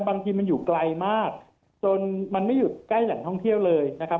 บางทีมันอยู่ไกลมากจนมันไม่อยู่ใกล้แหล่งท่องเที่ยวเลยนะครับ